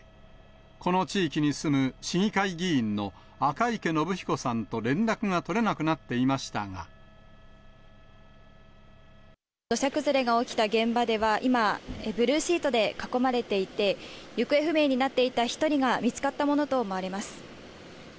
この地域に住む市議会議員の赤池伸彦さんと連絡が取れなくなって土砂崩れが起きた現場では、今、ブルーシートで囲まれていて、行方不明になっていた１人が見つかったものと思われます。